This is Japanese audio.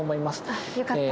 あっよかった。